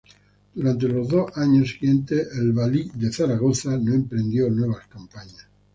Durante los dos años siguientes, el valí de Zaragoza no emprendió nuevas campañas.